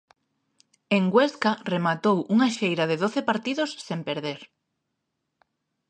En Huesca rematou unha xeira de doce partidos sen perder.